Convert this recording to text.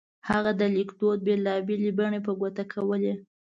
هغه د لیکدود بېلا بېلې بڼې په ګوته کولې.